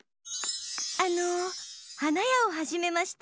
あのはなやをはじめました